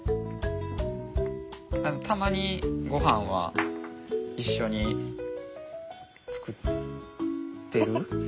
たまにごはんは一緒に作ってる？